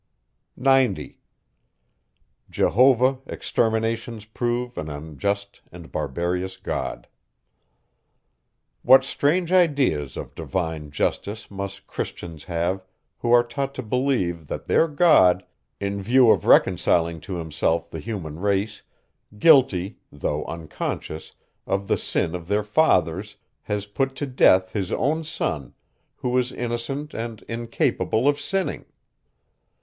90. What strange ideas of divine justice must Christians have, who are taught to believe, that their God, in view of reconciling to himself the human race, guilty, though unconscious, of the sin of their fathers, has put to death his own son, who was innocent and incapable of sinning?